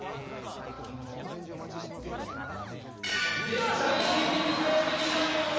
絶対的に頼りになる男